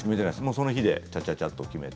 その日に、ちゃちゃっと決めて。